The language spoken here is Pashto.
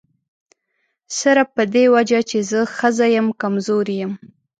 صرف په دې وجه چې زه ښځه یم کمزوري یم.